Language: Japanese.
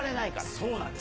そうなんです。